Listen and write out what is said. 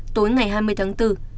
tối ngày hai mươi tháng bốn